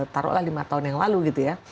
taruhlah lima tahun yang lalu gitu ya